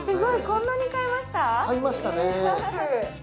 こんなに買いました？